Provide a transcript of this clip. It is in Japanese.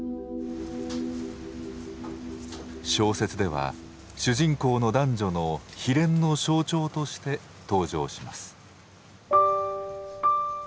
小説では主人公の男女の悲恋の象徴として登場します。